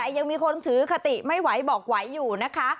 ยังมีคนถือคติไม่ไหวบอกไหวอยู่นะคะ